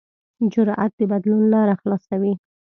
جرأت د بدلون لاره خلاصوي.